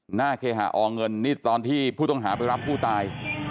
หน้าเคหาอเงินนี่ตอนที่ผู้ต้องหาไปรับผู้ตาย